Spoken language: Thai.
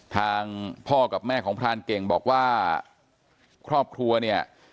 ทางพ่อกับแม่ของพรานเก่งบอกว่าครอบครัวเนี่ย